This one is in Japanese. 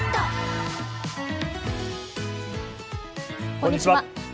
こんにちは。